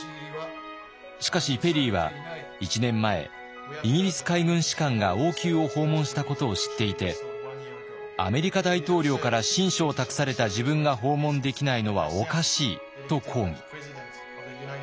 しかしペリーは１年前イギリス海軍士官が王宮を訪問したことを知っていてアメリカ大統領から親書を託された自分が訪問できないのはおかしいと抗議。